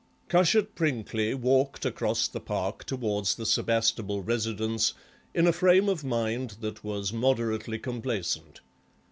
Cushat Prinkly walked across the Park towards the Sebastable residence in a frame of mind that was moderately complacent.